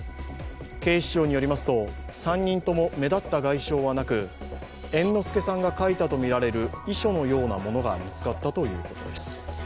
警視庁によりますと、３人とも目立った外傷はなく、猿之助さんが書いたとみられる遺書のようなものが見つかったということです。